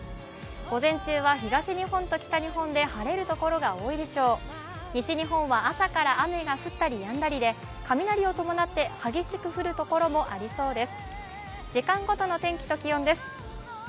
午前中は東日本と北日本で晴れるところが多いでしょう、西日本は朝から雨が降ったりやんだりで雷を伴って激しく降るところもありそうです。